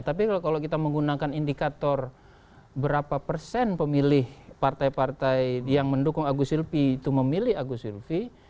tapi kalau kita menggunakan indikator berapa persen pemilih partai partai yang mendukung agus silpi itu memilih agus silvi